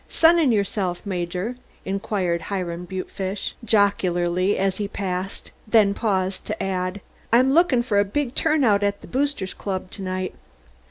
"Sunnin' yourself, Major?" inquired Hiram Butefish jocularly as he passed; then paused to add, "I'm lookin' for a big turn out at the Boosters Club to night."